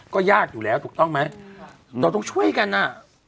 ก็ยากอยู่แล้วถูกต้องไหมเราต้องช่วยกันอ่ะ